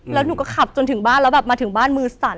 แล้วหนูก็ขับจนถึงบ้านแล้วแบบมาถึงบ้านมือสั่น